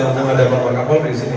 masa gak ada pak pakabore disini